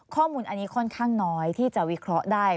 ข้อมูลอันนี้ค่อนข้างน้อยที่จะวิเคราะห์ได้